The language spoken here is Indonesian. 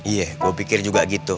iya gue pikir juga gitu